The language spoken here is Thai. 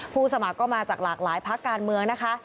สมัครก็มาจากหลากหลายพักการเมืองนะคะ